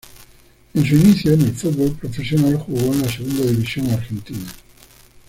En su inicio en el fútbol profesional jugó en la segunda división argentina.